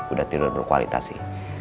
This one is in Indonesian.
udah tidur berkualitas sih